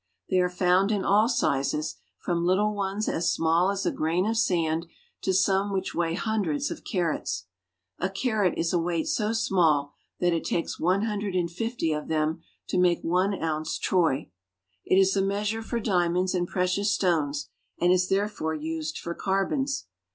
They are found in all sizes, from little ones as small as a grain of sand to some which weigh hundreds of carats. A carat is a weight so small that it takes one hundred and fifty of them to make one ounce troy. It is the measure for diamonds and precious stones, and is therefore used for carbons.